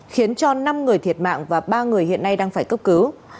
khiến cho năm người thiệt mạng và ba người hiện nay đang phải cấp cứu